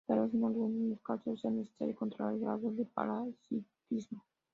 Tal vez en algunos casos sea necesario controlar el grado de parasitismo.